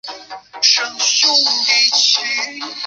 是历史上首次用三角测量的方法量测地月间的距离。